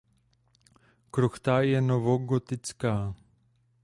Kruchta je novogotická.